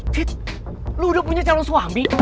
cit lo udah punya calon suami